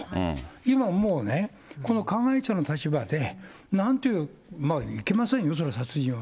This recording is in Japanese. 今はもうね、この加害者の立場で、なんていう、いけませんよ、それは殺人は。